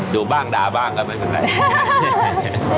ดูบ้างดาบ้างก็เหมือนกันแหละ